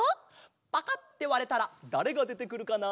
パカッてわれたらだれがでてくるかな？